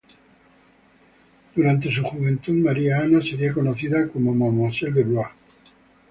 Durante su juventud María Ana sería conocida como Mademoiselle de Blois.